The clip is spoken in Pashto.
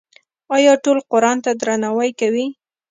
آیا ټول قرآن ته درناوی کوي؟